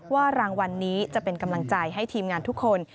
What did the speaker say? รางวัลนี้จะเป็นกำลังใจให้ทีมงานทุกคน